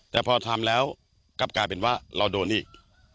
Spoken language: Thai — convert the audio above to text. แต่พอทำแล้วกลับกลายเป็นว่าเราโดนอีก